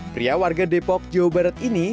pria warga depok jawa barat ini